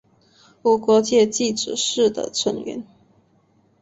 无国界记者是的成员。